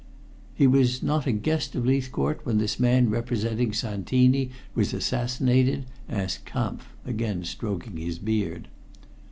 "He was not a guest of Leithcourt when this man representing Santini was assassinated?" asked Kampf, again stroking his beard.